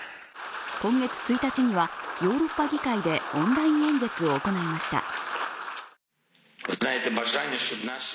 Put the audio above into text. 今月１日にはヨーロッパ議会でオンライン演説を行いました。